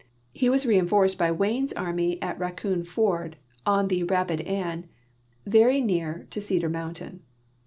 He was reinforced by Wa3nie's army at Raccoon ford, on the Rapid Anne, very near to Cedar mountain.